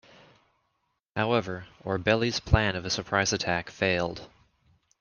However, Orbeli's plan of a surprise attack failed.